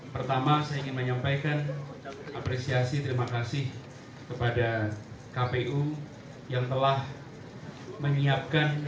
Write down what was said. pertama saya ingin menyampaikan apresiasi terima kasih kepada kpu yang telah menyiapkan